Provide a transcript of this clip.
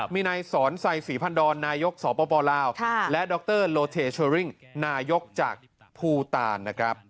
มีนายสอนใส่ศรีพันธ์ดอนนายกสปลาวและดรโลเทเชอริ้งนายกจากภูตาน